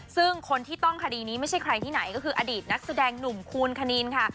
ซึ่งคนที่ต้องคดีนี้ไม่ใช่ใครที่ไหนก็คืออดีตนักแสดงหนุ่มคูณคณินค่ะ